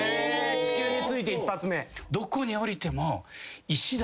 地球に着いて一発目。